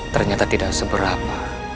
ternyata tidak seberapa